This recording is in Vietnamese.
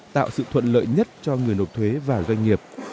tạo sự thuận lợi nhất cho người nộp thuế và doanh nghiệp